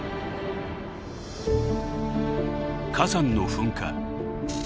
火山の噴火。